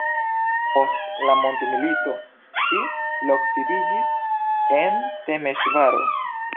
Post la mondmilito ŝi loksidiĝis en Temeŝvaro.